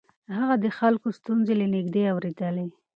هغه د خلکو ستونزې له نږدې اورېدلې.